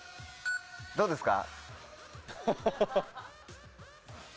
どうですか？